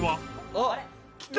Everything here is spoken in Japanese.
あっきた！